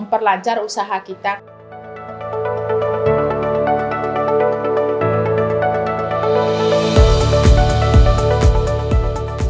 bagaimana cara memperbaiki keuangan yang diberikan